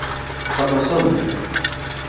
Xellṣen.